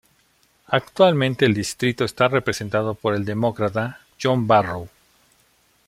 Actualmente el distrito está representado por el Demócrata John Barrow.